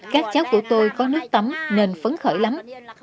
các cháu của tôi có nước tắm nên phấn khởi lắm